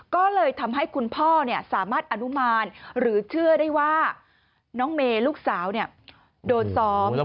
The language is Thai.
ก็เลยทำให้คุณพ่อสามารถอนุมานหรือเชื่อได้ว่าน้องเมย์ลูกสาวโดนซ้อม